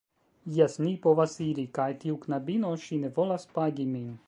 Jes, ni povas iri. Kaj tiu knabino, ŝi ne volas pagi min.